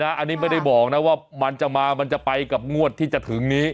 ค่ะก็ว่ากันไปนะไม่ได้บอกนะว่ามันจะไปกับงวดที่จะถึงนี้